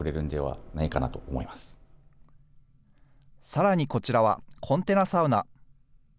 さらにこちらは、コンテナサウナ。